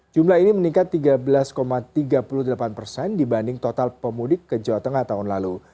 jumlah ini meningkat tiga belas tiga puluh delapan persen dibanding total pemudik ke jawa tengah tahun lalu